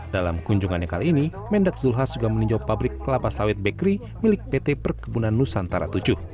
dalam kunjungannya kali ini mendak zulhas juga meninjau pabrik kelapa sawit bekri milik pt perkebunan nusantara tujuh